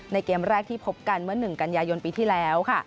เกมแรกที่พบกันเมื่อ๑กันยายนปีที่แล้วค่ะ